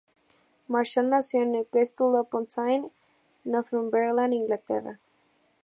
Marshall nació en Newcastle upon Tyne, Northumberland, Inglaterra.